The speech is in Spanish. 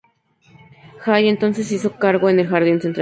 Jay entonces se hizo cargo en el jardín central.